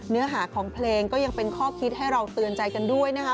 เนื้อหาของเพลงก็ยังเป็นข้อคิดให้เราเตือนใจกันด้วยนะคะ